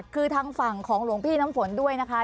คือทางฝั่งของหลวงพี่น้ำฝนด้วยนะคะ